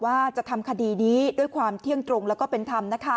ว่าจะทำคดีนี้ด้วยความเที่ยงตรงแล้วก็เป็นธรรม